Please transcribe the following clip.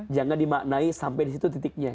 jangan dimaknai sampai disitu titiknya